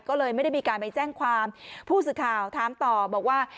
ก็เลยไม่ได้มีการไปแจ้งความผู้สื่อข่าวถามต่อบอกว่า